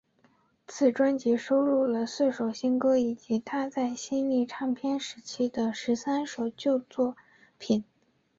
此专辑收录了四首新歌以及她在新力唱片时期的十三首旧作品。